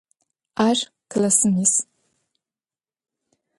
Ар классым ис.